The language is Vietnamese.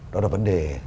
đó là vấn đề